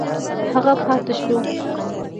هغه پاته شو.